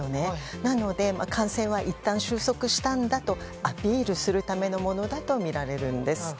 なので、感染はいったん収束したんだとアピールするためのものだとみられるんです。